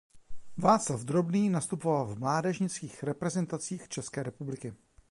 Václav Drobný nastupoval v mládežnických reprezentacích České republiky.